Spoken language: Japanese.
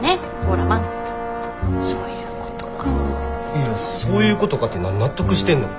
いやそういうことかって何納得してんの。